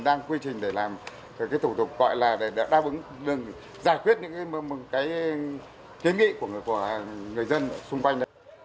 đang quy trình để làm cái thủ tục gọi là đáp ứng giải quyết những cái kiến nghị của người dân xung quanh